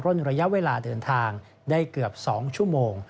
ระยะเวลาเดินทางได้เกือบ๒ชั่วโมง